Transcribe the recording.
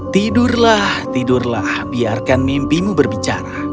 tidurlah tidurlah biarkan mimpimu berbicara